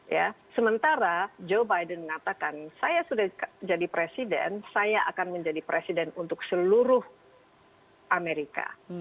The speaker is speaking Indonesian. ya sementara joe biden mengatakan saya sudah jadi presiden saya akan menjadi presiden untuk seluruh amerika